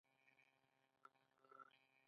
مېلمه ته د دعا غوښتنه وکړه.